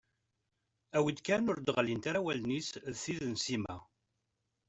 Awi-d kan ur d-ɣellint ara wallen-is d tid n Sima.